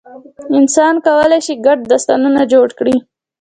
انسان کولی شي ګډ داستانونه جوړ کړي.